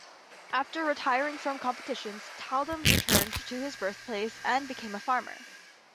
After retiring from competitions Tyldum returned to his birthplace and became a farmer.